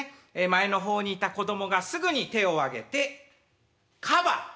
前の方にいた子供がすぐに手を挙げて「カバ」。